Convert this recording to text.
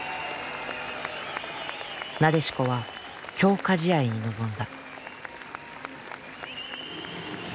なでしこは強化試合に臨んだ。